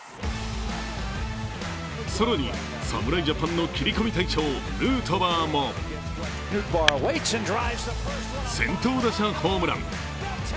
更に、侍ジャパンの切り込み隊長、ヌートバーも先頭打者ホームラン。